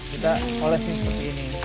kita olesin seperti ini